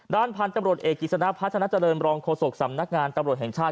พันธุ์ตำรวจเอกกิจสนะพัฒนาเจริญรองโฆษกสำนักงานตำรวจแห่งชาติ